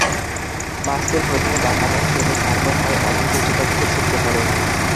মাস্তুল প্রথমে বাঁকানো এবং তারপর প্রায় অর্ধেক উচ্চতা থেকে ছিটকে পড়ে।